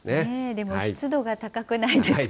でも湿度が高くないですか？